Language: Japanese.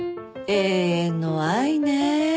永遠の愛ね。